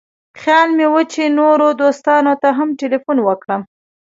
خیال مې و چې نورو دوستانو ته هم تیلفون وکړم.